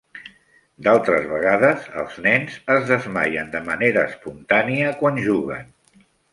D'altres vegades, els nens es desmaien de manera espontània quan juguen.